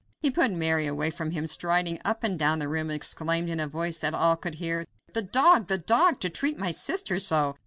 He put Mary away from him, and striding up and down the room exclaimed, in a voice that all could hear, "The dog! the dog! to treat my sister so.